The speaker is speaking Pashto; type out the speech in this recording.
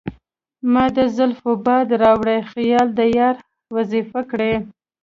مــــــا د زلفو باد راوړی خیــــــال د یار وظیفه کـــــړی